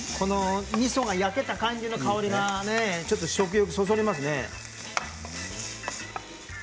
みそが、焼けた感じの香りが、食欲をそそりますね。